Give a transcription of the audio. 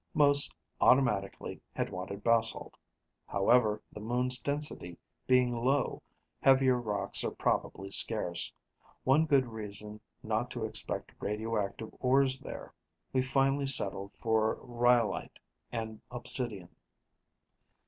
Most, automatically, had wanted basalt. However, the moon's density being low, heavier rocks are probably scarce one good reason not to expect radioactive ores there. We finally settled for rhyolite and obsidian.